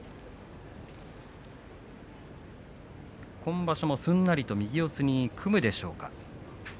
今場所もすんなりと右四つに組むでしょうか。